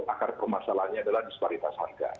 akar permasalahannya adalah disparitas harga